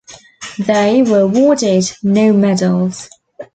They were awarded no medals.